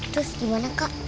terus gimana kak